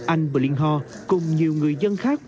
anh bình hò cùng nhiều người dân khác